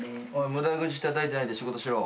無駄口たたいてないで仕事しろ。